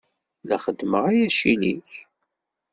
La xeddmeɣ aya ccil-ik.